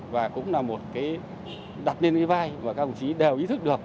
và cũng là một cái đặt lên cái vai mà các đồng chí đều ý thức được